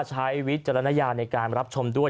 วิจารณญาณในการรับชมด้วย